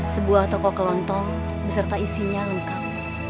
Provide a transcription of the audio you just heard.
sebuah toko kelontong beserta isinya lengkap